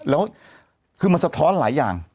แล้วคือมันสะท้อนหลายอย่าง